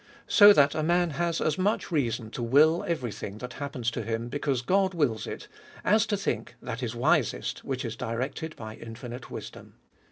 So that a man has as much reason to will every thing that happens to him, because God wills it, as to think that is wisest which is directed by infinite wisdom.